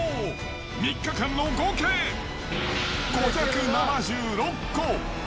３日間の合計、５７６個。